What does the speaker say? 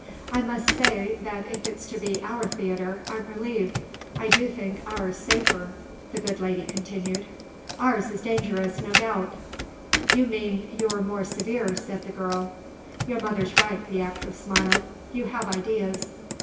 "I must say that if it's to be our theatre I'm relieved. I do think ours safer," the good lady continued. "Ours is dangerous, no doubt." "You mean you're more severe," said the girl. "Your mother's right," the actress smiled; "you have ideas."